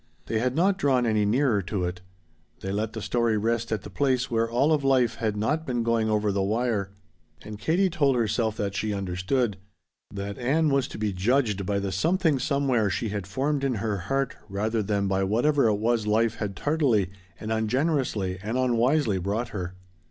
They had not drawn any nearer to it. They let the story rest at the place where all of life had not been going over the wire. And Katie told herself that she understood. That Ann was to be judged by the Something Somewhere she had formed in her heart rather than by whatever it was life had tardily and ungenerously and unwisely brought her.